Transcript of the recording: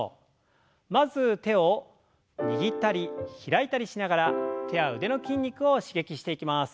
まず手を握ったり開いたりしながら手や腕の筋肉を刺激していきます。